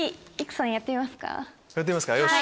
やってみますかよし。